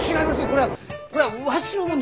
これはこれはわしのもんです！